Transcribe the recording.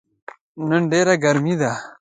نن ډیره ګرمې ده